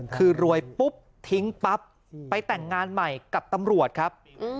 คือรวยปุ๊บทิ้งปั๊บไปแต่งงานใหม่กับตำรวจครับ